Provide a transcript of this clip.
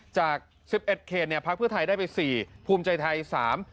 จากสิบเอ็ดเขตเนี่ยพักเพื่อไทยได้ไปสี่ภูมิใจไทยสาม